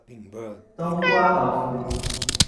冬瓜豆腐